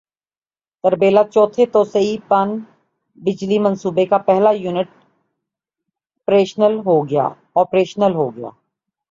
تربیلا چوتھے توسیعی پن بجلی منصوبے کا پہلا یونٹ پریشنل ہوگیا